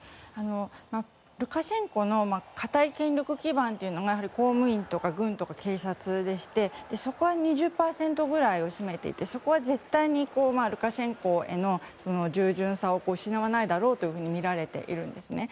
ルカシェンコの固い権力基盤というのが公務員とか軍とか警察でしてそこが２０％くらいを占めていて、そこは絶対にルカシェンコへの従順さを失わないだろうとみられているんですね。